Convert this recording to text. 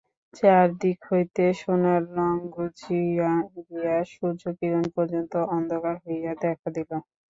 চার দিক হইতে সোনার রঙ ঘুচিয়া গিয়া সূর্যকিরণ পর্যন্ত অন্ধকার হইয়া দেখা দিল।